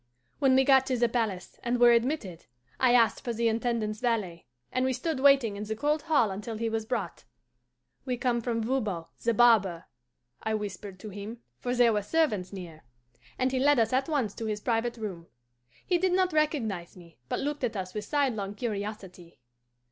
"When we got to the palace, and were admitted, I asked for the Intendant's valet, and we stood waiting in the cold hall until he was brought. 'We come from Voban, the barber,' I whispered to him, for there were servants near; and he led us at once to his private room. He did not recognize me, but looked at us with sidelong curiosity.